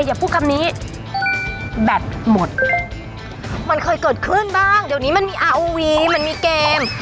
อย่าพูดคำนี้แบตหมดมันเคยเกิดขึ้นบ้างเดี๋ยวนี้มันมีอาโอวีมันมีเกม